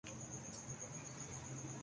روشنی آکر واپس نہیں جاسکتی